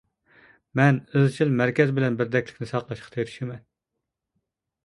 مەن ئىزچىل مەركەز بىلەن بىردەكلىكنى ساقلاشقا تىرىشىمەن.